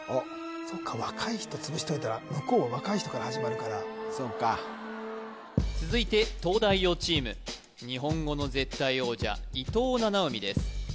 そっか若い人潰しておいたら向こうは若い人から始まるからそうか続いて東大王チーム日本語の絶対王者伊藤七海です